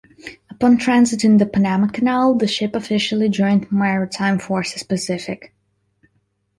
Upon transiting the Panama Canal, the ship officially joined Maritime Forces Pacific.